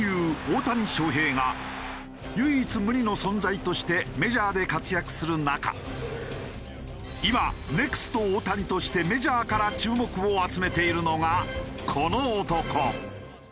大谷翔平が唯一無二の存在としてメジャーで活躍する中今ネクスト大谷としてメジャーから注目を集めているのがこの男。